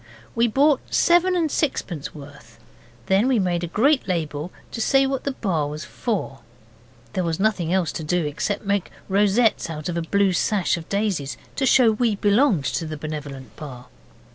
We bought seven and sixpence worth; then we made a great label to say what the bar was for. Then there was nothing else to do except to make rosettes out of a blue sash of Daisy's to show we belonged to the Benevolent Bar.